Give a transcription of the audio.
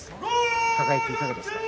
輝、いかがですか。